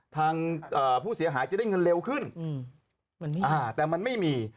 ทางผู้เสียหายจะได้เงินเร็วขึ้นแต่มันไม่มี